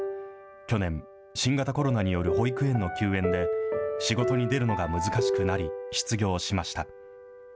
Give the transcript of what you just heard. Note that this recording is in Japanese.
去年、新型コロナによる保育園の休園で、仕事に出るのが難しくなり、失業しました。